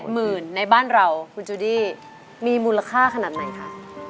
หมื่นในบ้านเราคุณจูดี้มีมูลค่าขนาดไหนคะ